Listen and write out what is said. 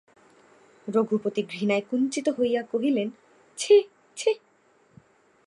রঘুপতি ঘৃণায় কুঞ্চিত হইয়া কহিলেন, ছি ছি!